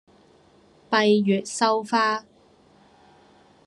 閉月羞花